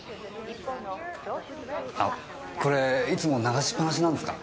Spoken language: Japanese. これいつも流しっ放しなんですか？